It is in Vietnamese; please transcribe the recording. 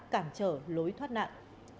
cản trở lối thoát nạn